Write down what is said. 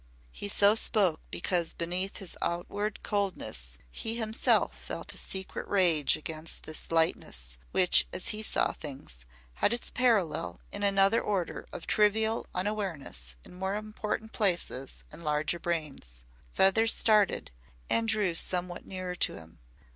He so spoke because beneath his outward coldness he himself felt a secret rage against this lightness which, as he saw things, had its parallel in another order of trivial unawareness in more important places and larger brains. Feather started and drew somewhat nearer to him.